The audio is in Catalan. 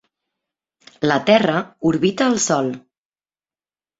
La Terra orbita el Sol.